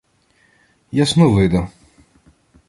— Ясновида.